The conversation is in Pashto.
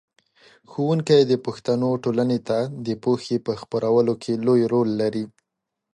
ښوونکی د پښتنو ټولنې ته د پوهې په خپرولو کې لوی رول لري.